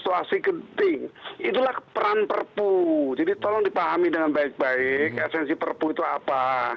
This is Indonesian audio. situasi genting itulah peran perpu jadi tolong dipahami dengan baik baik esensi perpu itu apa